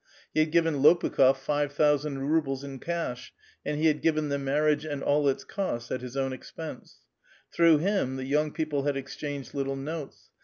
lie had given Lo[mkh6f five thousand rubles in cash, and he had given the marriage and all its cost at his own expense. Through him the young people had exchanged little notes.